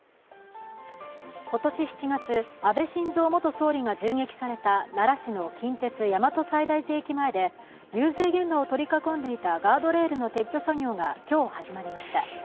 今年７月、安倍晋三元総理が銃撃された奈良市の近鉄・大和西大寺駅前で、遊説現場を取り囲んでいたガードレールの撤去作業が今日、始まりました。